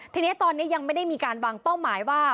ทีนี้ตอนนี้ยังไม่ได้มีการวางเป้าหมายว่า